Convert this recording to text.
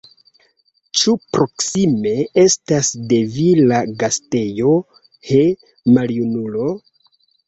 Ĉu proksime estas de vi la gastejo, he, maljunulo?